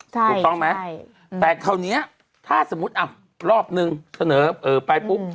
ถูกต้องไหมแต่คราวนี้ถ้าสมมุติอ่ะรอบนึงเสนอไปปุ๊บ